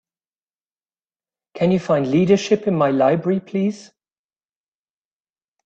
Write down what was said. can you find Leadership in my library, please?